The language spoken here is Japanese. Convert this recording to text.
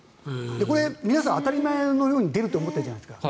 これ、皆さん当たり前のように出ると思ってるじゃないですか。